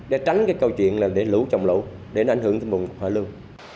để tránh cái câu chuyện là để lũ trồng lũ để nó ảnh hưởng đến vùng hạ lưu